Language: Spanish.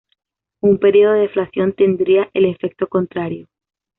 Un período de deflación tendría el efecto contrario.